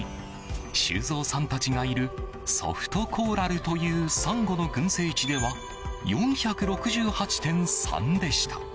修造さんたちがいるソフトコーラルというサンゴの群生地では４６８．３でした。